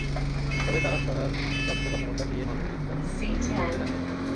তবে তাড়াশ থানার ভারপ্রাপ্ত কর্মকর্তা টিএম আমিনুল ইসলাম ঘটনা সত্য বলে জানিয়েছেন।